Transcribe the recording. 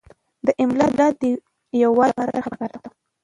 د املاء د یووالي لپاره طرحه پکار ده.